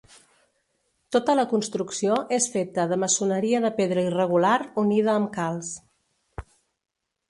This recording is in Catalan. Tota la construcció és feta de maçoneria de pedra irregular unida amb calç.